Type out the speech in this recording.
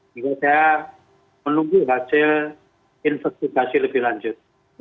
jadi saya menunggu hasil investigasi lebih lanjut